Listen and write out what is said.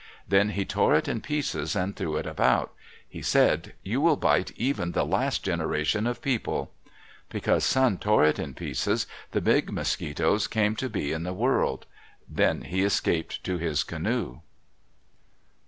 Then he tore it in pieces and threw it about. He said, "You will bite even the last generation of people." Because Sun tore it in pieces, the big mosquitoes came to be in the world. Then he escaped to his canoe.